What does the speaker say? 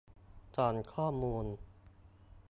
ส่องข้อมูล